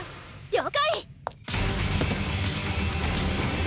了解！